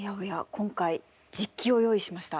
今回実機を用意しました。